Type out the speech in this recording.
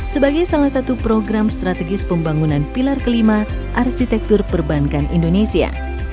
sebagai salah satu program strategis pembangunan pilar kelima arsitektur perbankan indonesia